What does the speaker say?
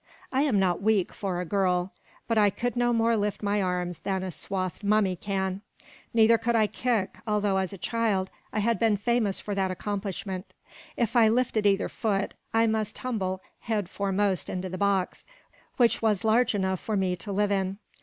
I am not weak, for a girl; but I could no more lift my arms than a swathed mummy can. Neither could I kick, although as a child I had been famous for that accomplishment; if I lifted either foot, I must tumble head foremost into the box, which was large enough for me to live in.